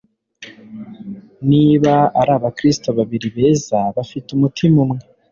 Niba ari abakristo babiri beza bafite umutima umwe